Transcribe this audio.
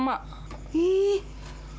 emangnya almarhum bapak kenapa mak